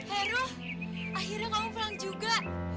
heru akhirnya kamu pulang juga